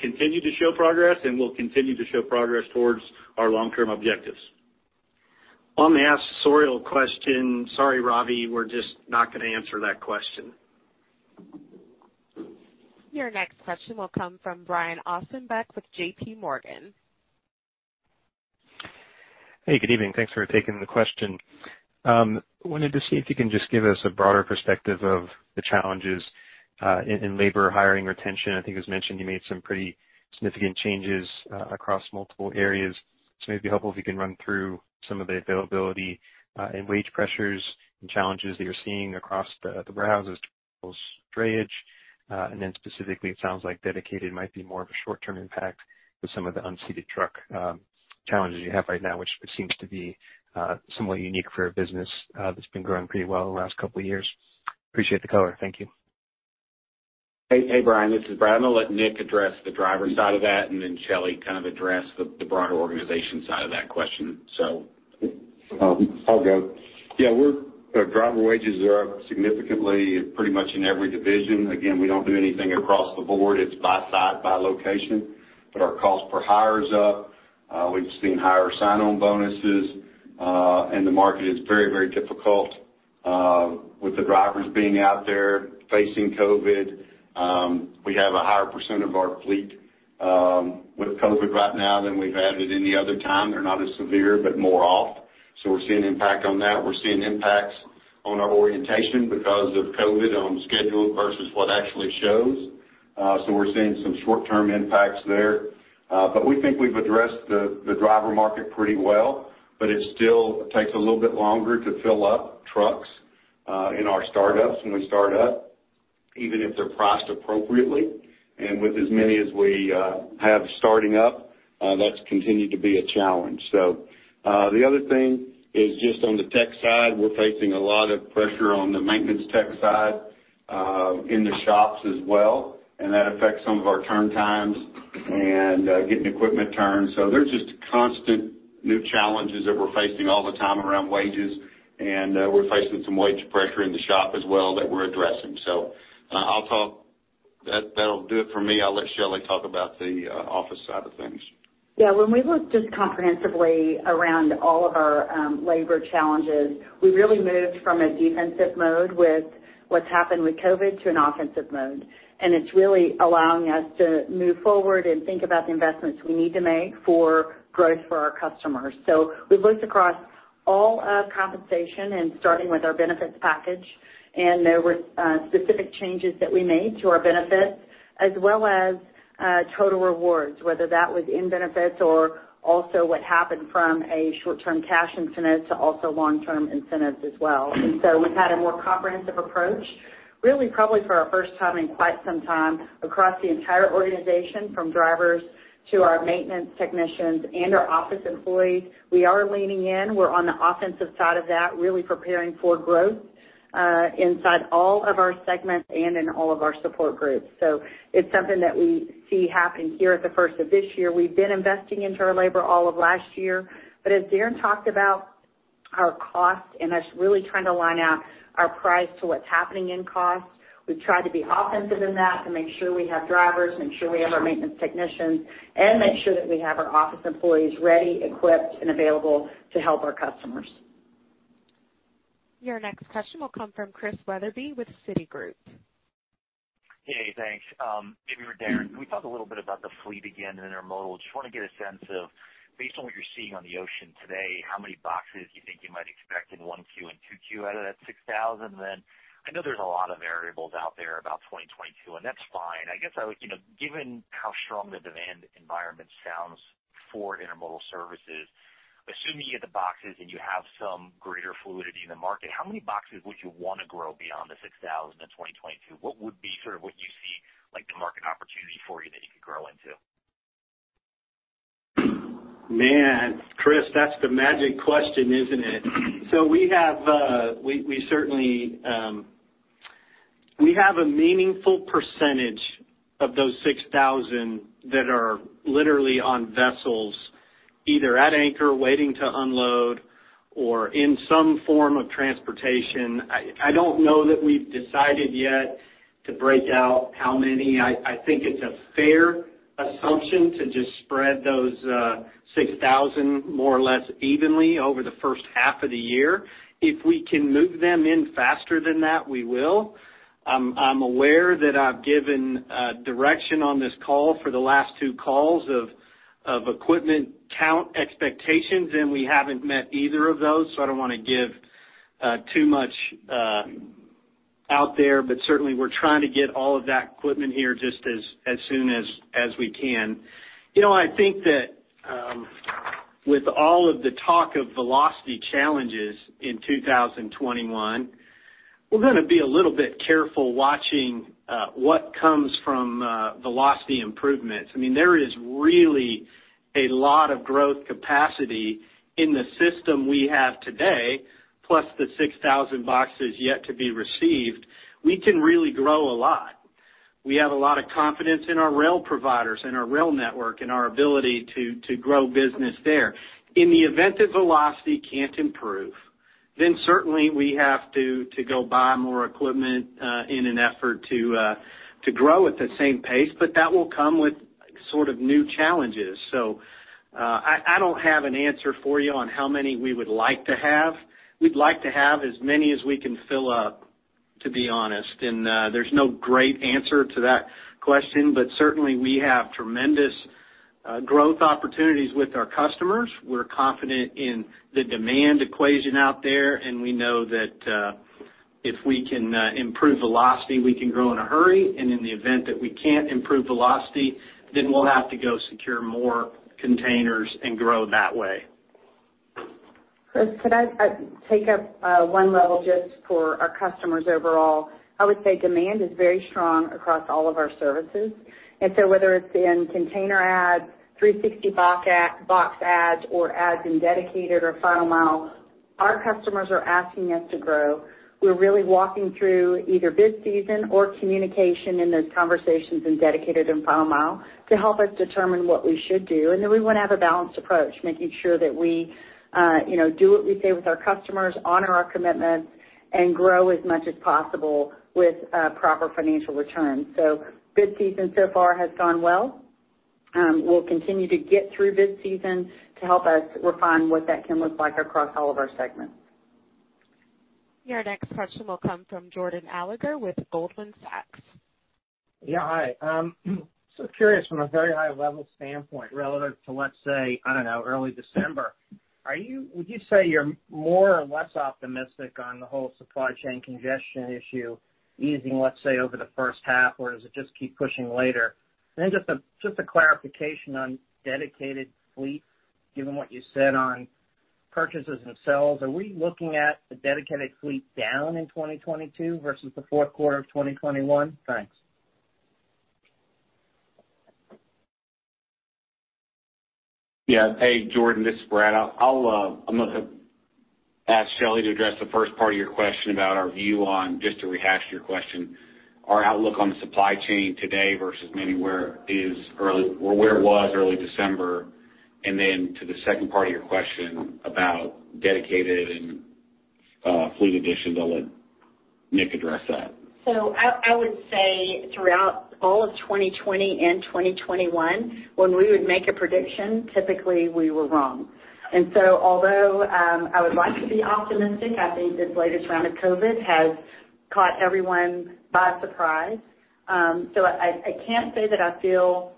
continued to show progress, and we'll continue to show progress towards our long-term objectives. On the accessorial question, sorry, Ravi, we're just not gonna answer that question. Your next question will come from Brian Ossenbeck with JPMorgan. Hey, good evening. Thanks for taking the question. Wanted to see if you can just give us a broader perspective of the challenges in labor hiring, retention. I think it was mentioned you made some pretty significant changes across multiple areas. It'd be helpful if you can run through some of the availability and wage pressures and challenges that you're seeing across the warehouses drayage. And then specifically, it sounds like Dedicated might be more of a short-term impact with some of the unseated truck challenges you have right now, which it seems to be somewhat unique for a business that's been growing pretty well in the last couple of years. Appreciate the color. Thank you. Hey, hey, Brian, this is Brad. I'm gonna let Nick address the driver side of that and then Shelley kind of address the broader organization side of that question. I'll go. Yeah, our driver wages are up significantly, pretty much in every division. Again, we don't do anything across the board. It's by site, by location. Our cost per hire is up. We've seen higher sign-on bonuses, and the market is very, very difficult. With the drivers being out there facing COVID, we have a higher % of our fleet with COVID right now than we've had at any other time. They're not as severe, but more off. We're seeing impact on that. We're seeing impacts on our orientation because of COVID on schedule versus what actually shows. We're seeing some short-term impacts there. But we think we've addressed the driver market pretty well, but it still takes a little bit longer to fill up trucks in our startups when we start up, even if they're priced appropriately. With as many as we have starting up, that's continued to be a challenge. The other thing is just on the tech side, we're facing a lot of pressure on the maintenance tech side in the shops as well, and that affects some of our turn times and getting equipment turned. There's just constant new challenges that we're facing all the time around wages. We're facing some wage pressure in the shop as well that we're addressing. That'll do it for me. I'll let Shelley talk about the office side of things. Yeah. When we look just comprehensively around all of our labor challenges, we really moved from a defensive mode with what's happened with COVID to an offensive mode. It's really allowing us to move forward and think about the investments we need to make for growth for our customers. We've looked across all compensation and starting with our benefits package, and there were specific changes that we made to our benefits as well as total rewards, whether that was in benefits or also what happened from a short-term cash incentive to also long-term incentives as well. We've had a more comprehensive approach, really probably for our first time in quite some time, across the entire organization, from drivers to our maintenance technicians and our office employees. We are leaning in. We're on the offensive side of that, really preparing for growth inside all of our segments and in all of our support groups. It's something that we see happening here at the first of this year. We've been investing into our labor all of last year. As Darren talked about our cost, and us really trying to line out our price to what's happening in costs, we've tried to be offensive in that to make sure we have drivers, make sure we have our maintenance technicians, and make sure that we have our office employees ready, equipped, and available to help our customers. Your next question will come from Chris Wetherbee with Citigroup. Hey. Thanks. Maybe for Darren, can we talk a little bit about the fleet again and Intermodal? Just want to get a sense of, based on what you're seeing on the ocean today, how many boxes you think you might expect in 1Q and 2Q out of that 6,000. Then I know there's a lot of variables out there about 2022, and that's fine. I guess I would, you know, given how strong the demand environment sounds for intermodal services, assuming you get the boxes and you have some greater fluidity in the market, how many boxes would you want to grow beyond the 6,000 in 2022? What would be sort of what you see, like the market opportunity for you that you could grow into? Man, Chris, that's the magic question, isn't it? We have a meaningful percentage of those 6,000 that are literally on vessels, either at anchor waiting to unload or in some form of transportation. I don't know that we've decided yet to break out how many. I think it's a fair assumption to just spread those 6,000 more or less evenly over the first half of the year. If we can move them in faster than that, we will. I'm aware that I've given direction on this call for the last two calls of equipment count expectations, and we haven't met either of those, so I don't wanna give too much out there. Certainly, we're trying to get all of that equipment here just as soon as we can. You know, I think that with all of the talk of velocity challenges in 2021, we're gonna be a little bit careful watching what comes from velocity improvements. I mean, there is really a lot of growth capacity in the system we have today, plus the 6,000 boxes yet to be received. We can really grow a lot. We have a lot of confidence in our rail providers and our rail network and our ability to grow business there. In the event that velocity can't improve, then certainly we have to go buy more equipment in an effort to grow at the same pace, but that will come with sort of new challenges. I don't have an answer for you on how many we would like to have. We'd like to have as many as we can fill up, to be honest. There's no great answer to that question. Certainly, we have tremendous growth opportunities with our customers. We're confident in the demand equation out there, and we know that, if we can, improve velocity, we can grow in a hurry. In the event that we can't improve velocity, then we'll have to go secure more containers and grow that way. Chris, could I take up one level just for our customers overall? I would say demand is very strong across all of our services. Whether it's in container adds, 360box adds, or adds in Dedicated or Final Mile, our customers are asking us to grow. We're really walking through either bid season or communication in those conversations in Dedicated and Final Mile to help us determine what we should do. We wanna have a balanced approach, making sure that we, you know, do what we say with our customers, honor our commitments, and grow as much as possible with proper financial returns. Bid season so far has gone well. We'll continue to get through bid season to help us refine what that can look like across all of our segments. Your next question will come from Jordan Alliger with Goldman Sachs. Yeah, hi. So curious from a very high-level standpoint, relative to, let's say, I don't know, early December, are you—would you say you're more or less optimistic on the whole supply chain congestion issue easing, let's say, over the first half? Or does it just keep pushing later? Then just a clarification on Dedicated fleet, given what you said on purchases and sales, are we looking at the Dedicated fleet down in 2022 versus the fourth quarter of 2021? Thanks. Yeah. Hey, Jordan, this is Brad. I'll, I'm gonna ask Shelley to address the first part of your question about our view on, just to rehash your question, our outlook on the supply chain today versus maybe where it is early or where it was early December. To the second part of your question about Dedicated and fleet additions, I'll let Nick address that. I would say throughout all of 2020 and 2021, when we would make a prediction, typically we were wrong. Although I would like to be optimistic, I think this latest round of COVID has caught everyone by surprise. I can't say that I feel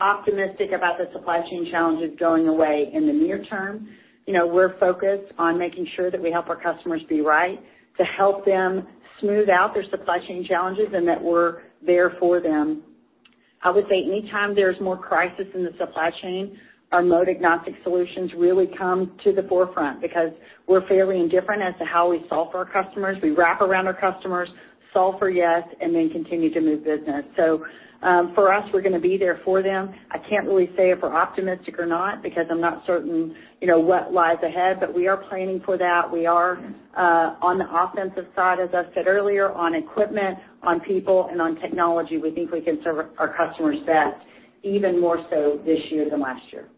optimistic about the supply chain challenges going away in the near term. You know, we're focused on making sure that we help our customers be right, to help them smooth out their supply chain challenges, and that we're there for them. I would say anytime there's more crisis in the supply chain, our mode-agnostic solutions really come to the forefront because we're fairly indifferent as to how we solve for our customers. We wrap around our customers, solve for yes, and then continue to move business. For us, we're gonna be there for them. I can't really say if we're optimistic or not because I'm not certain, you know, what lies ahead. We are planning for that. We are on the offensive side, as I said earlier, on equipment, on people, and on technology. We think we can serve our customers best even more so this year than last year.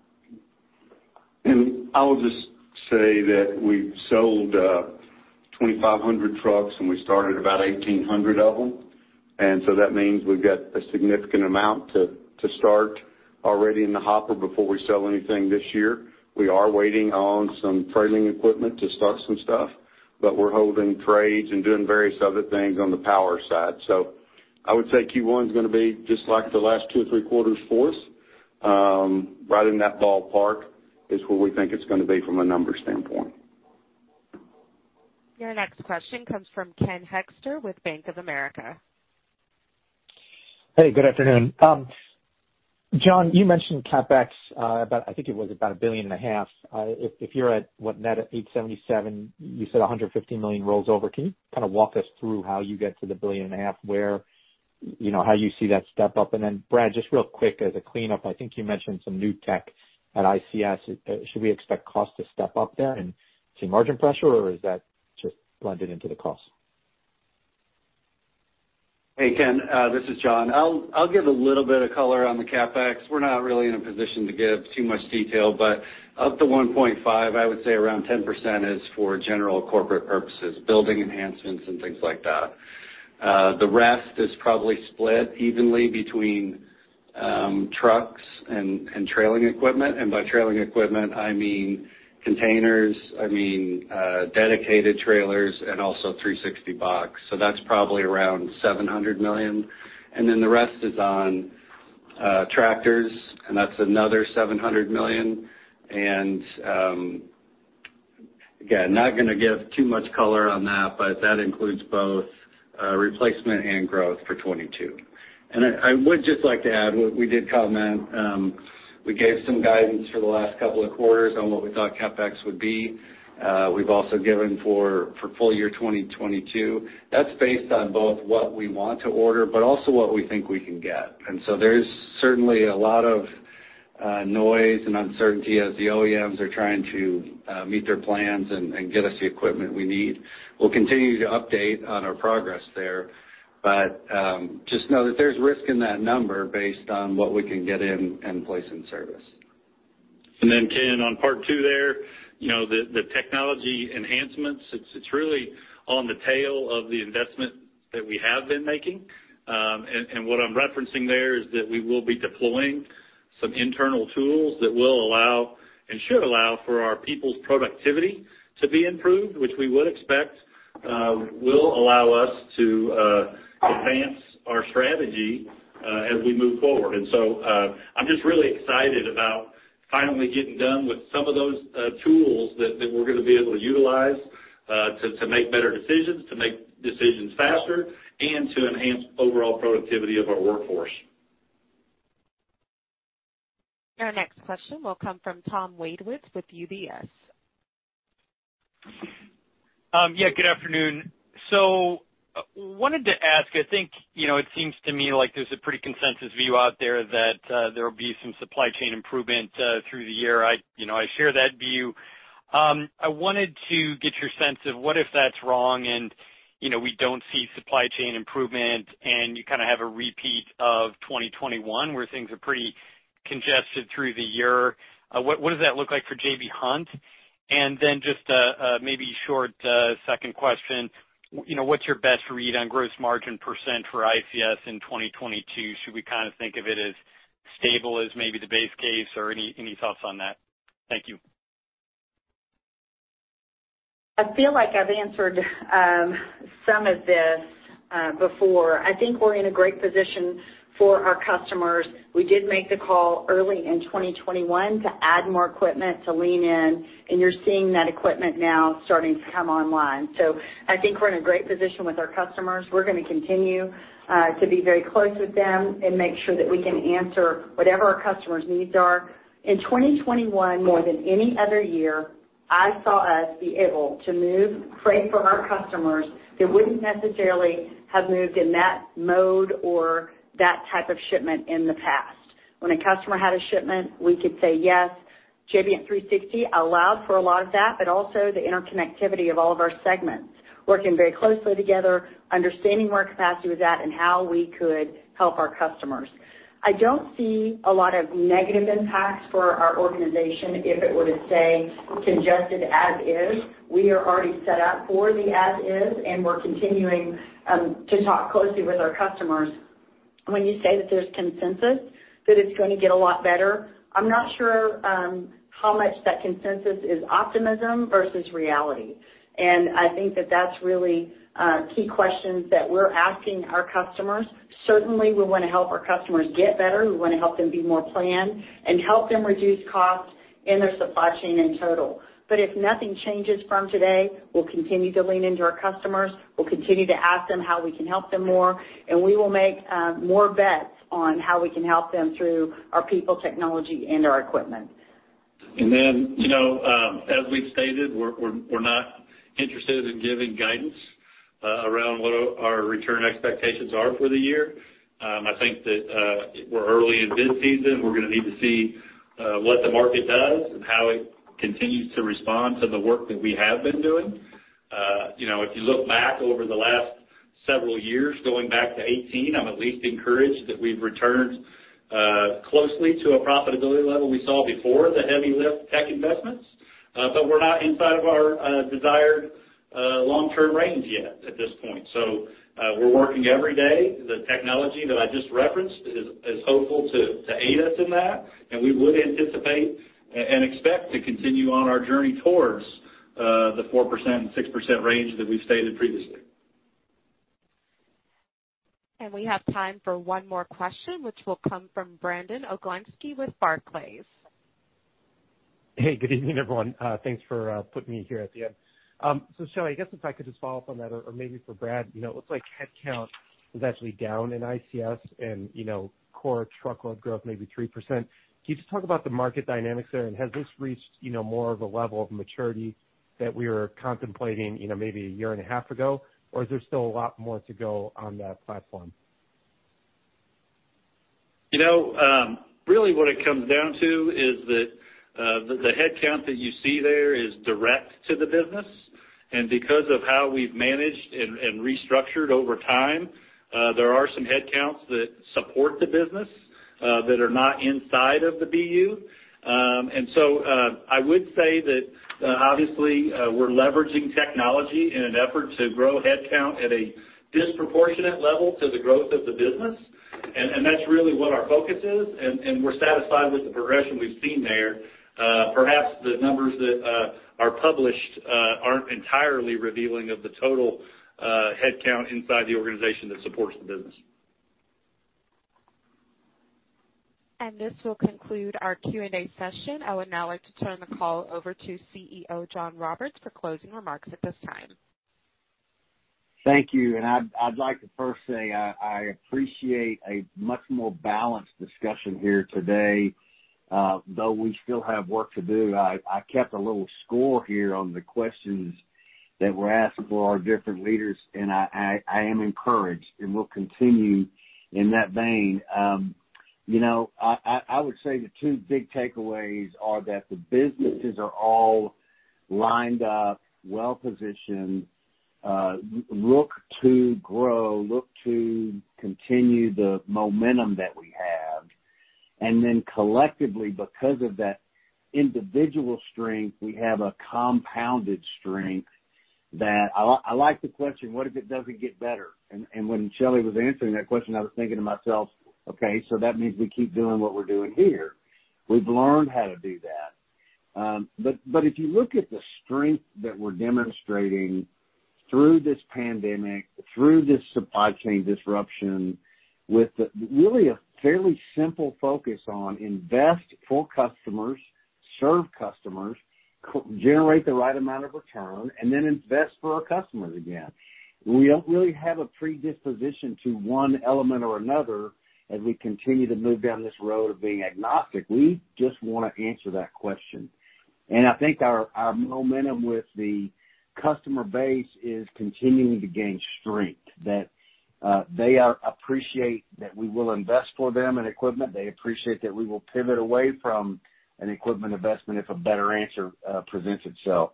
I will just say that we've sold 2,500 trucks, and we started about 1,800 of them. That means we've got a significant amount to start already in the hopper before we sell anything this year. We are waiting on some trailing equipment to start some stuff, but we're holding trades and doing various other things on the power side. I would say Q1 is gonna be just like the last two or three quarters for us. Right in that ballpark is where we think it's gonna be from a numbers standpoint. Your next question comes from Ken Hoexter with Bank of America. Hey, good afternoon. John, you mentioned CapEx about, I think it was about $1.5 billion. If you're at what net $877 million, you said $150 million rolls over. Can you kind of walk us through how you get to the $1.5 billion, where how you see that step up? Brad, just real quick as a cleanup, I think you mentioned some new tech at ICS. Should we expect cost to step up there and see margin pressure, or is that just blended into the cost? Hey, Ken, this is John. I'll give a little bit of color on the CapEx. We're not really in a position to give too much detail. Of the $1.5 billion, I would say around 10% is for general corporate purposes, building enhancements and things like that. The rest is probably split evenly between trucks and trailing equipment. By trailing equipment, I mean containers. I mean Dedicated trailers and also 360box. That's probably around $700 million. Then the rest is on tractors, and that's another $700 million. Again, not gonna give too much color on that, but that includes both replacement and growth for 2022. I would just like to add, we did comment, we gave some guidance for the last couple of quarters on what we thought CapEx would be. We've also given for full year 2022. That's based on both what we want to order, but also what we think we can get. There's certainly a lot of noise and uncertainty as the OEMs are trying to meet their plans and get us the equipment we need. We'll continue to update on our progress there, but just know that there's risk in that number based on what we can get in and place in service. Ken, on part two there, you know, the technology enhancements, it's really on the tail of the investment that we have been making. What I'm referencing there is that we will be deploying some internal tools that will allow and should allow for our people's productivity to be improved, which we would expect will allow us to advance our strategy as we move forward. I'm just really excited about finally getting done with some of those tools that we're gonna be able to utilize to make better decisions, to make decisions faster, and to enhance overall productivity of our workforce. Our next question will come from Tom Wadewitz with UBS. Yeah, good afternoon. Wanted to ask, I think, you know, it seems to me like there's a pretty consensus view out there that there will be some supply chain improvement through the year. I, you know, I share that view. I wanted to get your sense of what if that's wrong and, you know, we don't see supply chain improvement and you kind of have a repeat of 2021, where things are pretty congested through the year. What does that look like for J.B. Hunt? Then just a maybe short second question. You know, what's your best read on gross margin percent for ICS in 2022? Should we kind of think of it as stable as maybe the base case, or any thoughts on that? Thank you. I feel like I've answered some of this before. I think we're in a great position for our customers. We did make the call early in 2021 to add more equipment to lean in, and you're seeing that equipment now starting to come online. I think we're in a great position with our customers. We're gonna continue to be very close with them and make sure that we can answer whatever our customers' needs are. In 2021 more than any other year, I saw us be able to move freight for our customers that wouldn't necessarily have moved in that mode or that type of shipment in the past. When a customer had a shipment, we could say, yes. J.B. Hunt 360° allowed for a lot of that, but also the interconnectivity of all of our segments, working very closely together, understanding where our capacity was at and how we could help our customers. I don't see a lot of negative impacts for our organization if it were to stay congested as is. We are already set up for the as is, and we're continuing to talk closely with our customers. When you say that there's consensus that it's gonna get a lot better, I'm not sure how much that consensus is optimism versus reality. I think that that's really key questions that we're asking our customers. Certainly, we wanna help our customers get better. We wanna help them be more planned and help them reduce costs in their supply chain in total. If nothing changes from today, we'll continue to lean into our customers. We'll continue to ask them how we can help them more, and we will make more bets on how we can help them through our people technology and our equipment. You know, as we've stated, we're not interested in giving guidance around what our return expectations are for the year. I think that we're early in bid season. We're gonna need to see what the market does and how it continues to respond to the work that we have been doing. You know, if you look back over the last several years, going back to 2018, I'm at least encouraged that we've returned closely to a profitability level we saw before the heavy lift tech investments. We're not inside of our desired long-term range yet at this point. We're working every day. The technology that I just referenced is hopeful to aid us in that, and we would anticipate and expect to continue on our journey towards the 4%-6% range that we've stated previously. We have time for one more question, which will come from Brandon Oglenski with Barclays. Hey, good evening, everyone. Thanks for putting me here at the end. Shelley, I guess if I could just follow up on that or maybe for Brad, you know, it looks like headcount is actually down in ICS and, you know, core truckload growth maybe 3%. Can you just talk about the market dynamics there? Has this reached, you know, more of a level of maturity that we were contemplating, you know, maybe a year and a half ago? Is there still a lot more to go on that platform? You know, really what it comes down to is that the headcount that you see there is direct to the business. Because of how we've managed and restructured over time, there are some headcounts that support the business that are not inside of the BU. I would say that obviously we're leveraging technology in an effort to grow headcount at a disproportionate level to the growth of the business. That's really what our focus is, and we're satisfied with the progression we've seen there. Perhaps the numbers that are published aren't entirely revealing of the total headcount inside the organization that supports the business. This will conclude our Q&A session. I would now like to turn the call over to CEO John Roberts for closing remarks at this time. Thank you. I'd like to first say I appreciate a much more balanced discussion here today, though we still have work to do. I kept a little score here on the questions that were asked for our different leaders, and I am encouraged and will continue in that vein. You know, I would say the two big takeaways are that the businesses are all lined up, well-positioned, look to grow, look to continue the momentum that we have. Then collectively, because of that individual strength, we have a compounded strength that I like the question, what if it doesn't get better? When Shelley was answering that question, I was thinking to myself, "Okay, so that means we keep doing what we're doing here." We've learned how to do that. If you look at the strength that we're demonstrating through this pandemic, through this supply chain disruption, with really a fairly simple focus on invest for customers, serve customers, generate the right amount of return, and then invest for our customers again. We don't really have a predisposition to one element or another as we continue to move down this road of being agnostic. We just wanna answer that question. I think our momentum with the customer base is continuing to gain strength, that they appreciate that we will invest for them in equipment. They appreciate that we will pivot away from an equipment investment if a better answer presents itself.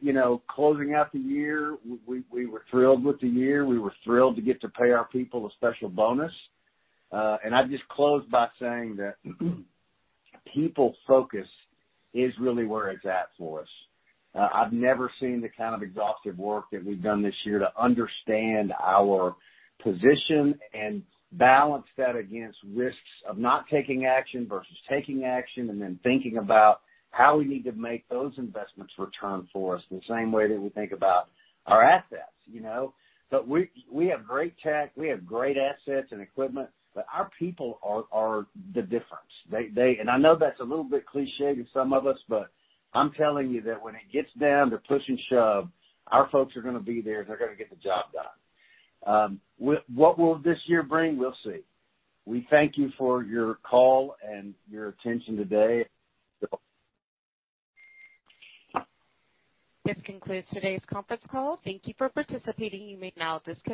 You know, closing out the year, we were thrilled with the year. We were thrilled to get to pay our people a special bonus. I'd just close by saying that people focus is really where it's at for us. I've never seen the kind of exhaustive work that we've done this year to understand our position and balance that against risks of not taking action versus taking action, and then thinking about how we need to make those investments return for us in the same way that we think about our assets, you know? We have great tech, we have great assets and equipment, but our people are the difference. I know that's a little bit cliché to some of us, but I'm telling you that when it gets down to push and shove, our folks are gonna be there, and they're gonna get the job done. What will this year bring? We'll see. We thank you for your call and your attention today. This concludes today's conference call. Thank you for participating. You may now disconnect.